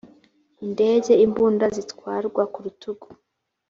indege imbunda zitwarwa ku rutugu